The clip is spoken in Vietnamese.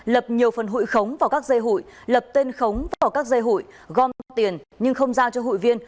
lập nhiều phần hụi khống vào các dây hụi lập tên khống vào các dây hụi gom tiền nhưng không giao cho hội viên